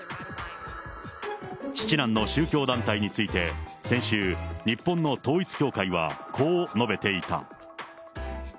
七男の宗教団体について、先週、日本の統一教会は、こう述べていた。